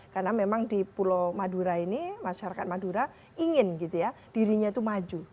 karena memang di pulau madura ini masyarakat madura ingin gitu ya dirinya itu maju